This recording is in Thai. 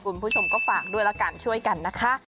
คุณผู้ชมก็ฝากด้วยละกันช่วยกันนะคะ